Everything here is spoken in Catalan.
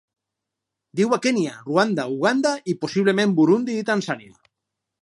Viu a Kenya, Ruanda, Uganda i, possiblement, Burundi i Tanzània.